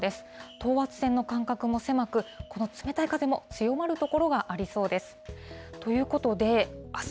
等圧線の間隔も狭く、この冷たい風も強まる所がありそうです。